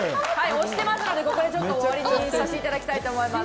押してますからここで終わりにさせていただきたいと思います。